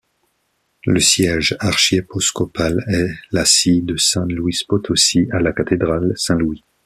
Le siège archiéposcopal est la cille de San Luis Potosí, à la cathédrale Saint-Louis.